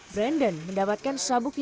brandon mendapatkan sabuk keras